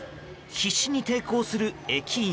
必死に抵抗する駅員。